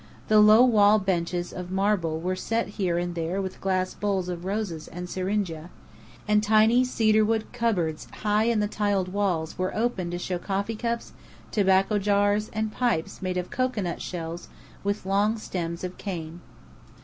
The low wall benches of marble were set here and there with glass bowls of roses and syringa; and tiny cedarwood cupboards high in the tiled walls were open to show coffee cups, tobacco jars, and pipes made of cocoanut shells with long stems of cane.